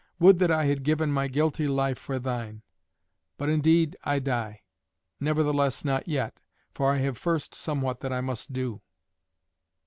Would that I had given my guilty life for thine! But indeed I die; nevertheless not yet, for I have first somewhat that I must do."